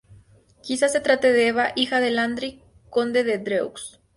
Quizás se trate de Eva, hija de Landry, conde de Dreux.